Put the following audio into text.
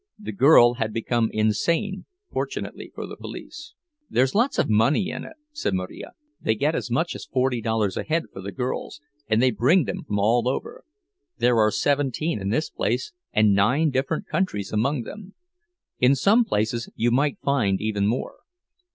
The girl had become insane, fortunately for the police.) "There's lots of money in it," said Marija—"they get as much as forty dollars a head for girls, and they bring them from all over. There are seventeen in this place, and nine different countries among them. In some places you might find even more.